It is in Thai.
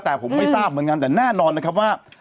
แต่ผมไม่ทราบเหมือนกันแต่แน่นอนนะครับว่า